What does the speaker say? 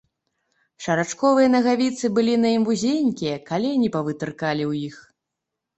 Шарачковыя нагавіцы былі на ім вузенькія, калені павытыркалі ў іх.